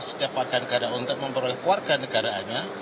setiap warganegara untuk memperoleh warganegaraannya